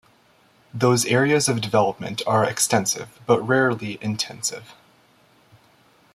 Those areas of development are extensive but rarely intensive.